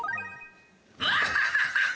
「ハハハハ！